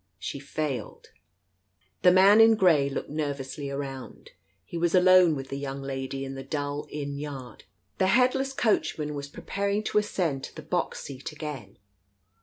She failed " The man in grey looked nervously around. He was alone with the young lady in the dull inn yard. The headless coachman was preparing to ascend to the box seat again.